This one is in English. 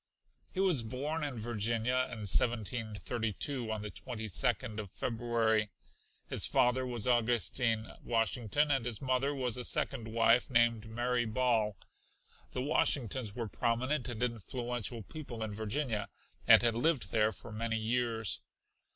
He was born in Virginia in 1732, on the 22d of February. His father was Augustine Washington and his mother was a second wife named Mary Ball. The Washingtons were prominent and influential people in Virginia and had lived there for many years.